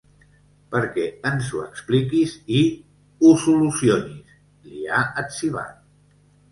Perquè ens ho expliquis i… ho solucionis, li ha etzibat.